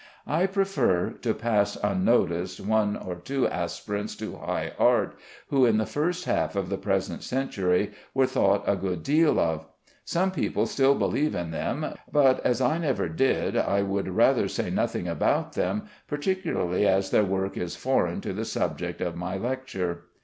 I prefer to pass unnoticed one or two aspirants to high art, who in the first half of the present century were thought a good deal of. Some people still believe in them, but as I never did, I would, rather say nothing about them, particularly as their work is foreign to the subject of my lecture.